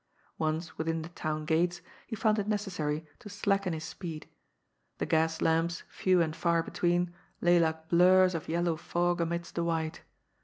Once within the town gates, he found it necessary to slacken his speed. The gas lamps, few and far between, lay like blurs of yellow fog amidst the white.